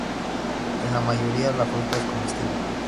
En la mayoría la fruta es comestible.